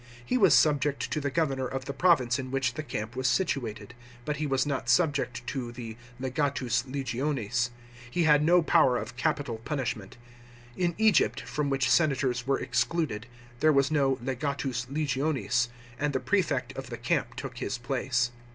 He was subject to the governor of the province in which the camp was situated ; but he was not subject to the legatus legionis. He had no power of capital punishment. In Egypt, from which senators were excluded, there was no legatus legionis, and the prefect of the camp look his place.